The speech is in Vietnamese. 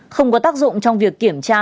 không có tác dụng trong việc kiểm tra